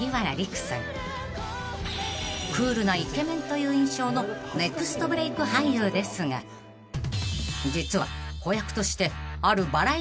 ［クールなイケメンという印象のネクストブレイク俳優ですが実は］